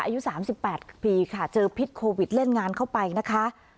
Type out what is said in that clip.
อายุ๓๘ปีค่ะเจอพิษโควิดเล่นงานเข้าไปนะคะ